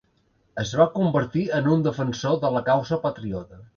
Es va convertir en un defensor de la causa patriota.